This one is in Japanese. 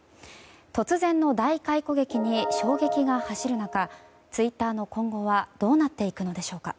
突然の大解雇劇に衝撃が走る中ツイッターの今後はどうなっていくのでしょうか。